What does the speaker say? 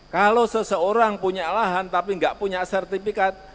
kalau seseorang punya lahan tapi nggak punya sertifikat